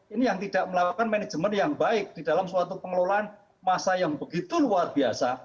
ini yang tidak melakukan manajemen yang baik di dalam suatu pengelolaan masa yang begitu luar biasa